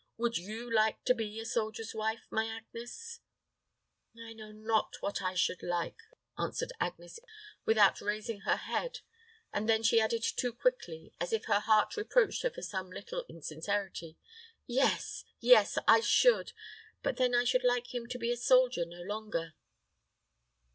Would you like to be a soldier's wife, my Agnes?" "I know not what I should like," answered Agnes, without raising her head; but then she added quickly, as if her heart reproached her for some little insincerity, "Yes, yes, I should; but then I should like him to be a soldier no longer."